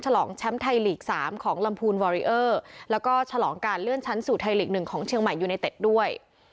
ฉลองแชมป์ไทยลีก๓ของลำพูนวอริเออร์แล้วก็ฉลองการเลื่อนชั้นสู่ไทยลีก๑ของเชียงใหม่ยูเนเต็ดด้วย